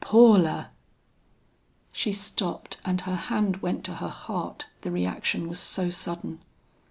"Paula!" She stopped and her hand went to her heart, the reaction was so sudden.